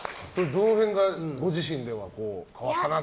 どの辺がご自身で変わったなと。